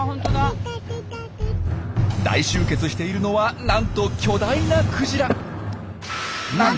大集結しているのはなんと巨大なクジラ！